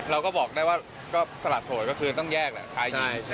เราก็บอกได้ว่าก็สละโสดก็คือต้องแยกแหละใช้